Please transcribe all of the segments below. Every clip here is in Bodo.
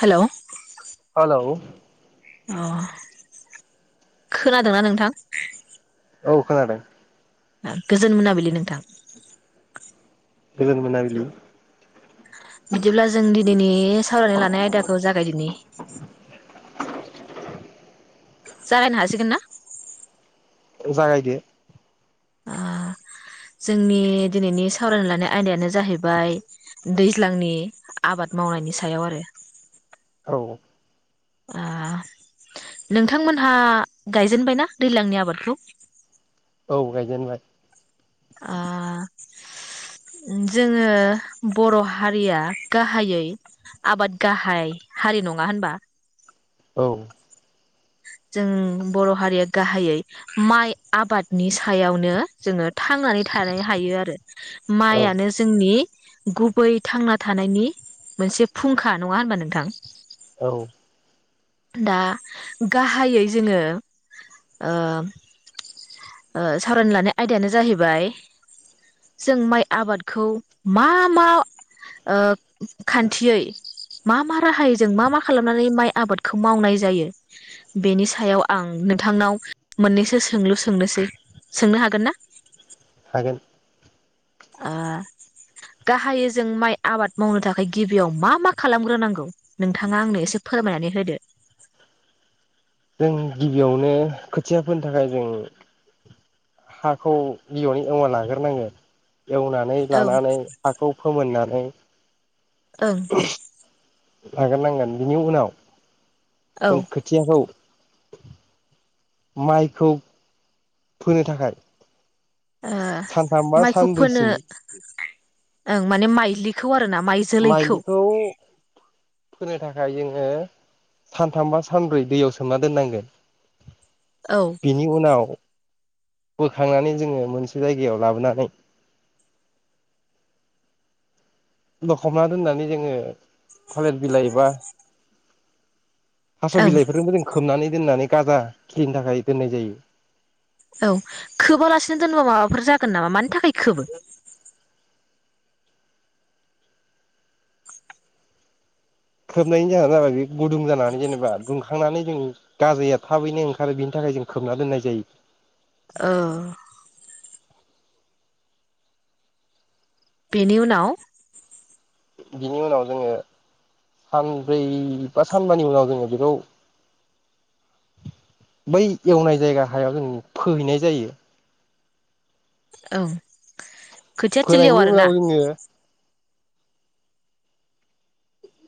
हेलौ हेलौ अ खोनादों ना नोंथां? औ खोनादों। गोजोन मोनाबिलि नोंथां। गोजोन मोनाबिलि। बिदिब्ला जों दिनैनि सावरायनो लानाय आयदाखौ जागायदिनि। जागायनो हासिगोन ना? जागायदो। आ जोंनि दिनैनि सावरायनो लानाय आयदायानो जाहैबाय दैज्लांनि आबाद मावनायनि सायाव आरो औ आ नोंथांमोनहा गायजेनबायना दैज्लांनि आबादखौ? औ गायजेनबाय। आ जोङो बर' हारिया गाहायै आबाद गाहाय हारि नङा होनबा? औ जों बर' हारिया गाहायै माइ आबादनि सायावनो जोङो थांनानै थानो हायो आरो औ माइआनो जोंनि गुबै थांना थानायनि मोनसे फुंखा नङा होनबा नोंथां। औ। दा गाहायै जोङो ओ सावरायनो लानाय आयदायानो जाहैबाय जों माइ आबादखौ मा मा ओ खान्थियै मा मा राहायै जों मा मा खालामनानै माइ आबादखौ मावनाय जायो? बेनि सायाव आं नोंथांनाव मोननैसो सोंलु सोंनोसै सोंनो हागोन ना? हागोन। आ गाहायै जों माइ आबाद मावनो थाखाय गिबियाव मा मा खालामग्रोनांगौ? नोंथाङा आंनो एसे फोरमायनानै होदो। जों गिबियावनो खोथिया फोनो थाखाय जों हाखौ गिबियावनो एवना लाग्रोनांगोन। एवनानै ओं लानानै हाखौ फोमोननानै औ। ओं। लाग्रो नांगोन बिनि उनाव ओ जों खोथियाखौ माइखौ फोनो थाखाय सानथामबा माइखौ फोनो सानब्रैसिम ओं माने माइलिखौ आरो ना। माइ जोलैखौ माइलिखौ फोनो थाखाय जोङो सानथाम बा सानब्रै दैयाव सोमना दोननांगोन। औ बेनि उनाव बोखांनानै जोङो मोनसे जायगायाव लाबोनानै लखबना दोननानै जोङो थालिर बिलाइबा हास' ओं बिलाइफोरफोरखौबो जों खोबनानै दोननानै गाजा खिलिनि थाखाय दोननाय जायो। औ खोबालासिनो दोनबा माबाफोर जागोन नामा मानि थाखाय खोबो? खोबनायनि जाहोना जाबाय बे गुदुं जानानै जेनेबा दुंखांनानै जों गाजाया थाबैनो ओंखारो बिनि थाखाय जों खोबना दोननाय जायो। ओ। बेनि उनाव बिनि उनाव जोंङो सानब्रै बा सानबानि उनाव जोंङो बेखौ बै एवनाय जायगा हायाव जों फोहैनाय जायो। औ। फोनायनि उनाव जोंङो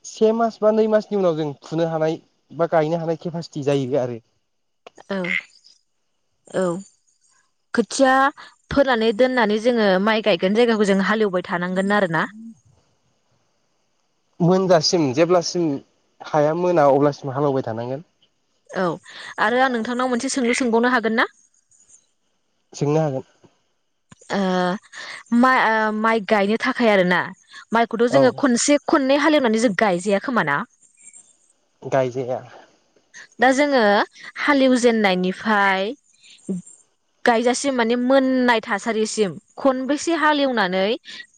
से मास बा नै मासनि उनाव जों फुनो हानाय बा गायनो हानाय केपासिटि जाहैबाय आरो। औ औ खोथिया फोनानै दोननानै जोंङो माइ गायगोन जायगाखौ जों हाल एव थानांगोन आरोना। मोनजासिम जेब्लासिम हाया मोना अब्लासिम हालेवबाय थानांगोन। औ आरो आं नोंथांनाव मोनसे सोंलु सोंबावनो हागोन ना? सोंनो हागोन ओ मा ओ माइ गायनो थाखाय आरो ना माइखौथ' औ जोंङो खनसे खननै हालेवनानै जों गायजाया खोमा ना गायजाया दा जोंङो हालेवजेननायनिफ्राय गायजासिम माने मोननाय थासारिसिम खनबेसे हालेवनानै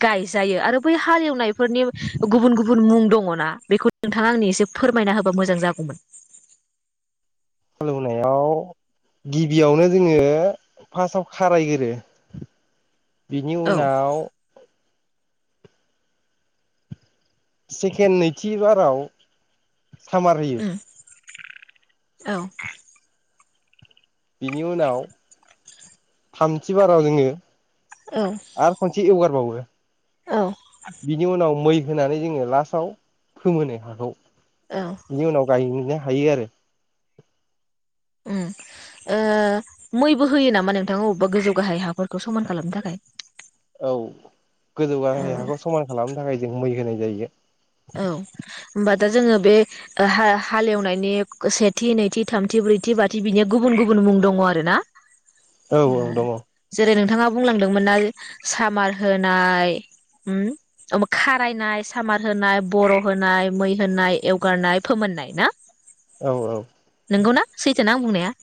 गायजायो आरो बै हालेवनायफोरनि गुबुन गुबुन मुं दंङना बेखौ नोंथाङा आंनि एसे फोरमायना होबा मोजां जागौमोन। हालेवनायाव गिबियावनो जोंङो फार्सआव खारायगोरो। बिनि औ उनाव सेकेन नैथि बाराव सामार होयो। उम औ बिनि उनाव थामथि बाराव जोंङो औ आरो खनसे एवगार बावयो। औ बिनि उनाव मै होनानै जोंङो लास्टआव फोमोनो हाखौ। औ इनि उनाव गाय नो हायो आरो ओम ओ मैबो होयो नामा नोंथां अबेबा गोजौ गाहाय हाफोरखौ समान खालामनो थाखाय? औ गोजौ ओ गाहाय हाखौ समान खालामनो थाखाय जों मै होनाय जायो। औ होमबा दा जोंङो बे ओ हा हालेवनायनि सेथि नैथि थामथि ब्रैथि बाथि बिनिया गुबुन गुबुन मुं दङ आरो ना औ ओ औ दङ औ जेरै नोंथाङा बुंलांदोंमोनना सामार होनाय होम ओ न खारायनाय सामार होनाय बर' होनाय मै होनाय एवगारनाय फोमोननाय ना औ नोंगौना सैथोना आं बुंनाया? [inaudible]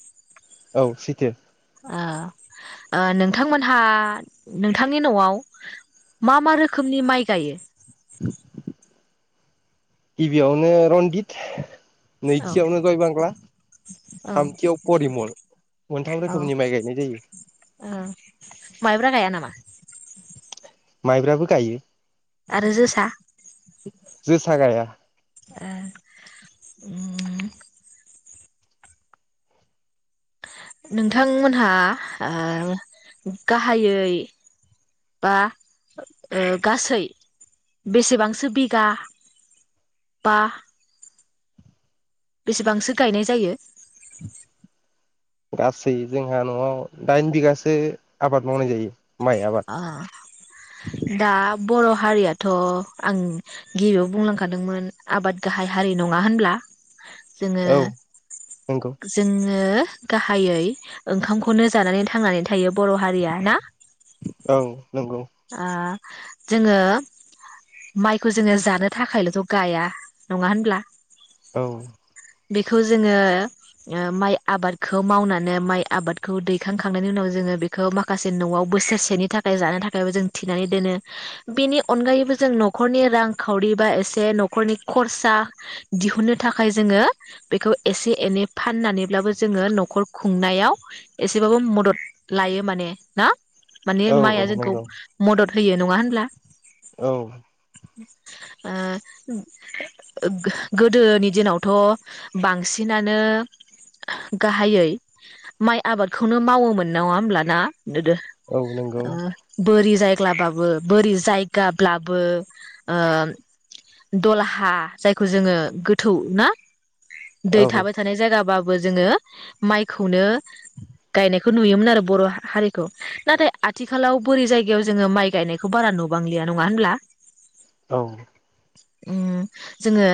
औ सैथो आं ओ नोंथांमोनहा नोंथांनि नआव मा मा रोखोमनि माइ गायो [unintelligible] गिबियावनो रनजित औ नैथियावनो गय बांला औ थामथियाव परिमल मोनथाम औ रोखोमनि माइ गायनाय जायो ओ माइब्रा गाया नामा माइब्राबो गायो आरो जोसा जोसा गाया ओ ओम नोंथांमोनहा ओ गाहायै बा ओ गासै बेसेबांसो बिगा बा बेसेबांसो गायनाय जायो गासै जोंहा न'आव दाइन बिगासो आबाद मावनाय जायो। माइ आबाद अ दा बर' हारियाथ' आं गिबियाव बुंलांखादोंमोन आबाद गाहाय हारि नङा होनब्ला? जोङो औ नंगौ जोङो गाहायै ओंखामखौनो जानानै थांनानै थायो बर' हारिया ना? औ नंगौ आ जोङो माइखौ जोङो जानो थाखायलथ' गाया नङा होनब्ला? औ बेखौ जोङो ओ माइ आबादखौ मावनानै माइ आबादखौ दैखां खांनायनि उनाव जोङो बेखौ माखासे न'आव बोसोरसेनि थाखाय जानो थाखाय थाखायबो जों थिनानै दोनो बेनि अनगायैबो जों न'खरनि रांखावरि बा एसे न'खरनि खरसा दिहुनो थाखाय जोङो बेखौ एसे एनै फाननानैब्लाबो जोङो न'खर खुंनायाव एसेबाबो मदद लायो माने ना माने औ औ माइया जोंखौ नंगौ मदद होयो नङा होनब्ला औ ओ गोदोनि दिनावथ' बांसिनानो गाहायै माइ आबादखौनो मावोमोन नङा होमब्लाना? औ नंगौ [unintelligible] बोरै जायग्लाबाबो बोरै जायगाब्लाबो ओ दलहा जायखौ जोङो गोथौ ना दै औ थाबाय थानाय जायगाबाबो जोङो माइखौनो गायनायखौ नुयोमोन आरो बर' हा-हारिखौ नाथाय आथिखालाव बोरै जायगायाव जोङो माइ गायनायखौ बारा नुबांलिया नङा होनब्ला औ उम जोङो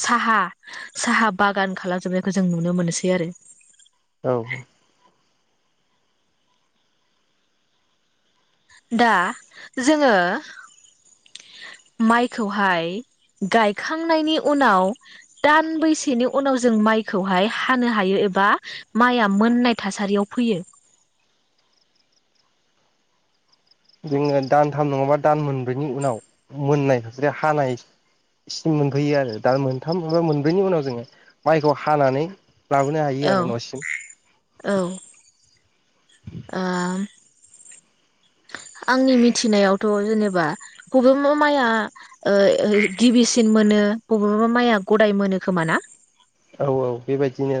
साहा साहा बागान खालामजोबनायखौ जों नुनो मोनसै आरो औ दा जोङो माइखौहाय गायखांनायनि उनाव दानबैसेनि उनाव जों माइखौहाय हानो हायो एबा माइआ मोननाय थासारियाव फैयो। जोङो दानथाम नङाबा दान मोनब्रैनि उनाव मोननाय जेरै हानायसिम मोनफैयो आरो दान मोनथामा मोनब्रैनि उनाव जोङो माइखौ हानानै। लाबोनो हायो औ आरो न'सिम औ ओ आंनि मिथिनायावथ' जेनेबा बबेबा माइया ओ ओ गिबिसिन मोनो बबेबा माइया गदाय मोनो खोमा ना? औ औ बेबायदिनो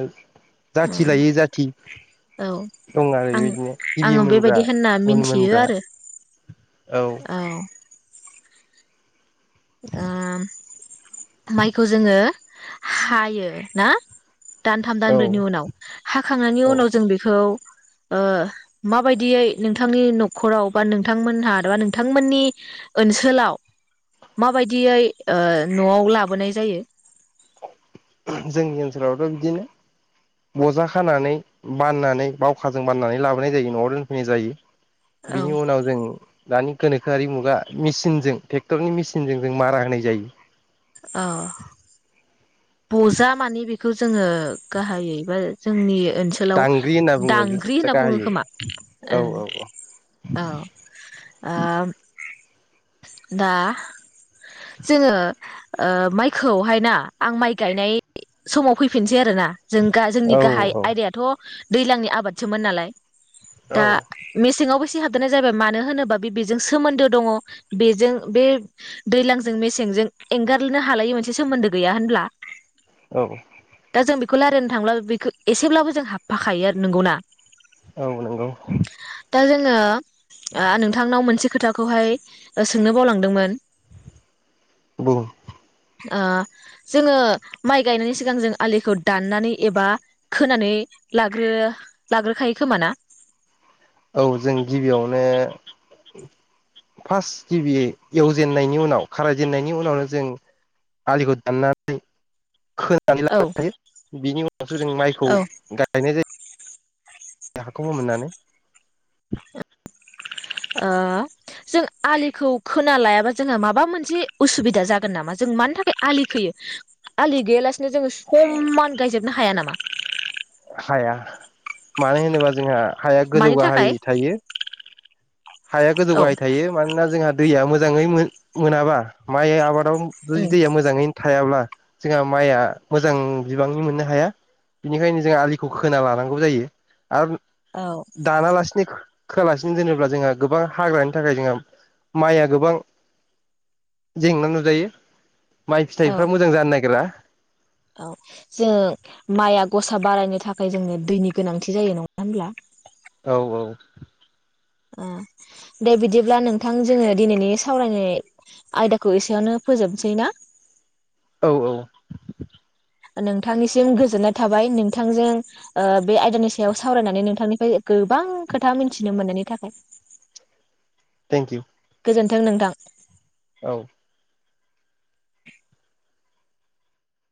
जाथि उम लायै जाथि औ दं आरो आं बेबादिनो गिबि आङो मोनग्रा बेबायदि होनना उन मिथियो मोनग्रा आरो औ ओ माइखौ जोङो हायो ना दानथाम दानब्रैनि औ उनाव हाखांनायनि औ उनाव जों बेखौ ओ माबायदियै नोंथांनि न'खराव बा नोंथांमोनहा बा नोंथांमोननि ओनसोलाव माबायदियै ओ न'आव लाबोनाय जायो। जोंनि ओनसोलावथ' बिदिनो बजा खानानै बाननानै बावखाजों बाननानै लाबोनाय जायो न'आव दोनफैनाय जायो। औ बिनि उनाव जों दानि गोनोखोआि मुगा मेसिनजों ट्रेक्टरनि मेसिनजों जों मारा होनाय जायो। औ बजा मानि बेखौ जोङो गाहायै बा जोंनि ओनसोलाव दांग्रि होनना बुङो दांगांग्रि होनना बुङो गाहायै खोमा ओ औ औ औ ओ दा जोङो ओ माइखौहाय ना आं माइ गायनाय समाव फैफिनसै आरोना जों गा जोंनि औ गाहाय आयदायाथ' दैज्लांनि आबादसोमोन नालाय औ दा मेसेंङावबो हाबदेरनाय जाबाय मानो होनोबा बेजों सोमोन्दो दङ बेजों बे दैलांजों मेसेंजों एंगारनो हालायै मोनसे सोमोन्दो गैया होम ब्ला औ जों बेखौ रायल्लायनो थांब्लाबो बेखौ एसेब्लाबो जों हाबफाखायो आरो नोंगौ ना औ नोंगौ दा जोङो नोंथांनाव मोनसे खोथाखौहाय सोंनो बावलांदोंमोन बुं ओ जोङो माइ गायनायनि सिगां जों आलिखौ दाननानै एबा खोनानै लाग्रो लाग्रोखायो खोमा ना औ जों गिबियावनो फार्स्ट गिबि एवजेननायनि उनाव खारायजेननायनि उनावनो जों आलिखौ दाननानै खोनानै औ लाग्रो खायो बिनि उनावसो जों माइखौ औ गायनाय जायो हाखौबो फोमोननानै ओ जों आलिखौ खोना लायाबा जोंहा माबा मोनसे उसुबिदा जागोन नामा जों मानि थाखाय आलि खोयो आलि गैयालासिनो जोङो समान गायजोबनो हाया नामा? हाया मानो होनोबा जोंहा हाया गोजौ मानि गाहाय थाखाय थायो हाया गोजौ औ गाहाय थायो मानोना जोंहा दैया मोजाङै मोनाबा माइ आबाद [unintelligible] जुदि उम दैया मोजाङैनो थायाब्ला जोंहा माइआ मोजां बिबांनि मोननो हाया बिनिखायनो जोंहा आलिखौ खोना लानांगौ जायो। आरो औ दानालासिनो खोआलासिनो दोनोब्ला जोंहा गोबां हाग्रानि थाखाय जोंहा माइया गोबां जेंना नुजायो माइ औ फिथाइफ्रा मोजां जानो नागिरा औ जोंङ माइआ गसा बारायनो थाखाय जोंनो दैनि गोनांथि जायो नङा होमब्ला औ औ ओ दे बिदिब्ला नोंथां जोङो दिनैनि सावरायनाय आयदाखौ एसेयावनो फोजोबसै ना औ औ नोंथांनिसिम गोजोननाय थाबाय नोंथांजों ओ बे आयदानि सायाव सावरायनानै नोंथांनिफ्राय गोबां खोथा मिथिनो मोननायनि थाखाय। थेंक इउ गोजोन्थों नोंथां। औ